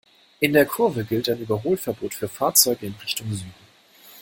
In dieser Kurve gilt ein Überholverbot für Fahrzeuge in Richtung Süden.